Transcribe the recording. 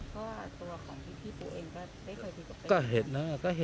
ก็ตัวของพี่พี่ปูเองก็ไม่เคยพูดกับเป้